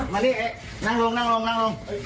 มาดินั่งลงนั่งลงนั่งลง